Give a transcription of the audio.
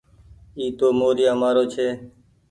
اي تو موريآ مآرو ڇي۔